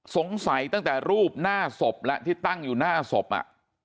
ตั้งแต่รูปหน้าศพแล้วที่ตั้งอยู่หน้าศพอ่ะ